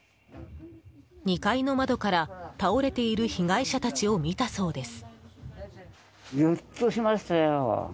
２階の窓から倒れている被害者たちを見たそうです。